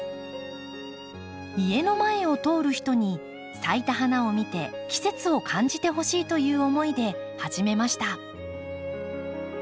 家の前を通る人に咲いた花を見て季節を感じてほしいという思いで始めました。